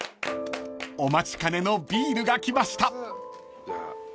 ［お待ちかねのビールが来ました］